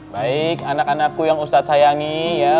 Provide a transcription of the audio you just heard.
baik anak anakku yang ustadz sayangi ya